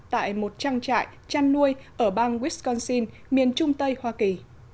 tại một trang trại chăn nuôi ở bang wisconsin miền trung tây hoa kỳ